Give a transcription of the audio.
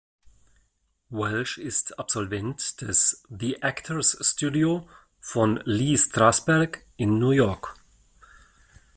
Welsh ist Absolvent des The Actors Studio von Lee Strasberg in New York.